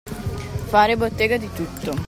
Fare bottega di tutto.